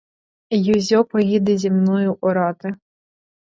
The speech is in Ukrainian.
Юзьо поїде зі мною орати.